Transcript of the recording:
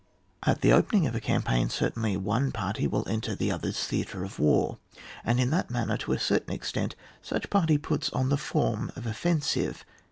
At the opening of a cam paign, certainly one party will enter the other's theatre of war, and in that man ner, to a certain extent, such party puts on the form of offensive.